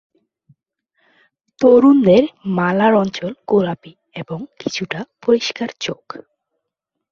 তরুণদের মালার অঞ্চল গোলাপী এবং কিছুটা পরিষ্কার চোখ।